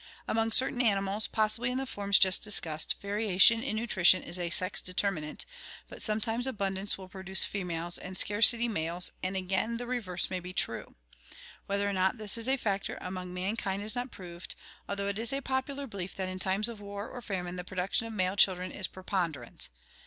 Among certain animals, possibly in the forms just discussed, variation in nutrition is a sex determinant, but sometimes abun dance will produce females and scarcity males, and again the reverse may be true. Whether or not this is a factor among man kind is not proved, although it is a popular belief that in times of war or famine the production of male children is preponderant.